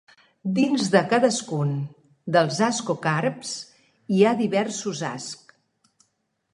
Dins de cadascun dels ascocarps hi ha diversos ascs.